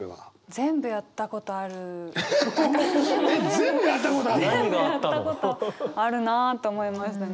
全部やったことあるなと思いましたね。